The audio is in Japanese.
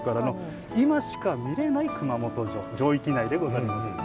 今しか見れない熊本城城域内でござりまする。